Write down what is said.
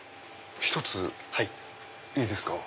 １ついいですか？